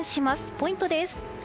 ポイントです。